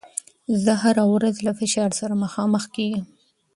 زه هره ورځ له فشار سره مخامخېږم.